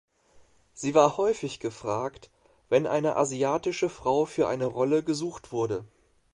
Sie war häufig gefragt, wenn eine asiatische Frau für eine Rolle gesucht wurde.